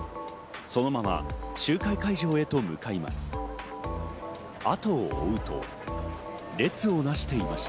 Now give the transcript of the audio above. そのまま集会会場へと向かいます。